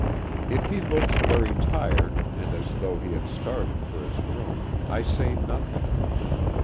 If he looks very tired, and as though he had started for his room, I say nothing.